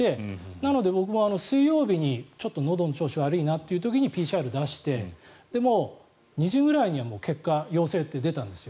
なので僕は水曜日にちょっとのどの調子が悪いなという時にＰＣＲを出して２時ぐらいには結果、陽性って出たんですよ。